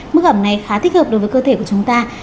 mức ẩm này khá thích hợp đối với cơ thể của chúng ta